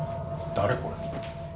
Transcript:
誰これ？